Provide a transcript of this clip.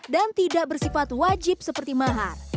dan tidak bersifat wajib seperti mahar